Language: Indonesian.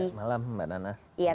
selamat malam mbak nana